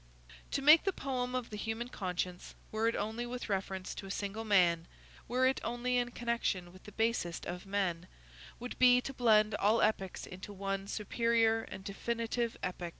To make the poem of the human conscience, were it only with reference to a single man, were it only in connection with the basest of men, would be to blend all epics into one superior and definitive epic.